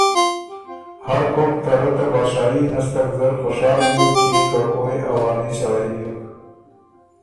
هر کوک ته رۀ ته بادشاهي نستک زر خوشال بیوک کيې که او يې عوامي سړئ بیوک